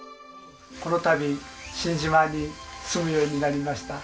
この度新島に住むようになりました